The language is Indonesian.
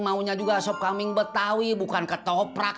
maunya juga asap kaming betawi bukan ketoprak